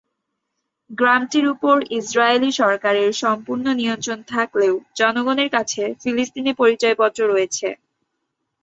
গ্রামটির উপর ইসরায়েলি সরকারের সম্পূর্ণ নিয়ন্ত্রণ থাকলেও, জনগণের কাছে ফিলিস্তিনি পরিচয়পত্র রয়েছে।